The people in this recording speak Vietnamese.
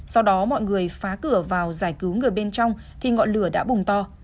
sau đó mọi người phá cửa vào giải cứu người bên trong thì ngọn lửa đã bùng to